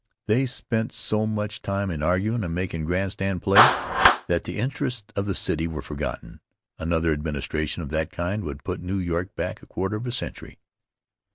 They spent so much time in arguin' and makin' grandstand play, that the interests of the city were forgotten. Another administration of that kind would put New York back a quarter of a century.